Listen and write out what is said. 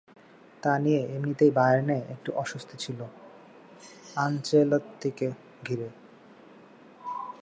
তা নিয়ে এমনিতেই বায়ার্নে একটু অস্বস্তি ছিল আনচেলত্তিকে ঘিরে।